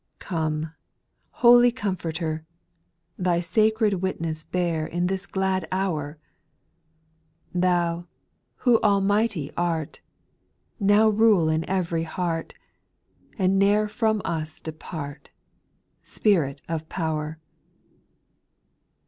4. Come, holy Comforter, Thj sacred witness beat In this glad "hoMi \ SPIRITUAL SONGS. 277 Thou, who Almighty art, Now rule in ev'ry heart, And ne'er from us depart, Spirit of power.